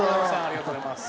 ありがとうございます。